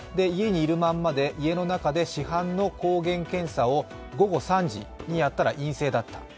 家にいるままで家の中で市販の抗原検査を午後３時にやったら陰性だった。